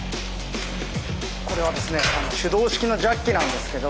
これはですね手動式のジャッキなんですけど。